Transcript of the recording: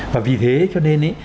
và vì thế cho nên ý